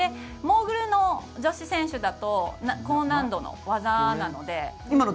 モーグルの女子選手だと高難度の技なので。